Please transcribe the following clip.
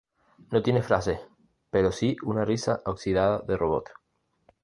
No tiene frases pero sí una risa oxidada de robot.